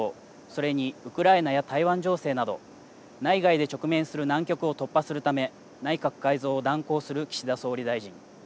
それにウクライナや台湾情勢など内外で直面する難局を突破するため内閣改造を断行する岸田総理大臣。